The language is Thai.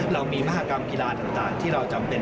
เรามีมหากรรมกีฬาต่างที่เราจำเป็น